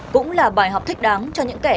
cũng là bài học thích đáng cho những kẻ